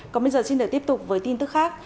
còn bây giờ xin để tiếp tục với tin tức khác